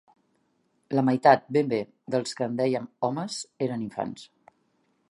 La meitat, ben bé, dels qui en dèiem «homes» eren infants